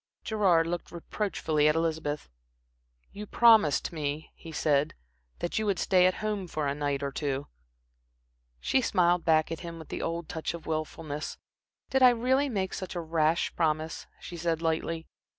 Gerard looked reproachfully at Elizabeth. "You promised me," he said, "that you would stay at home for a night or two." She smiled back at him with the old touch of wilfulness. "Did I really make such a rash promise," she said, lightly.